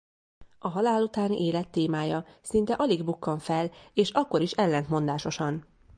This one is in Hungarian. A halál utáni élet témája szinte alig bukkan fel és akkor is ellentmondásosan.